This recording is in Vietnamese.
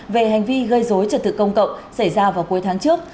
về hành vi gây dối trật tự công cộng xảy ra vào cuối tháng trước